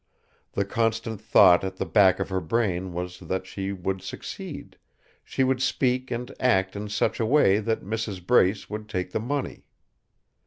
The constant thought at the back of her brain was that she would succeed; she would speak and act in such a way that Mrs. Brace would take the money.